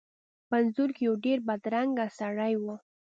په انځور کې یو ډیر بدرنګه سړی و.